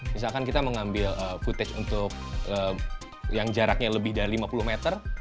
misalkan kita mengambil footage untuk yang jaraknya lebih dari lima puluh meter